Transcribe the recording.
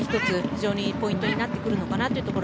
非常にポイントになってくるのかな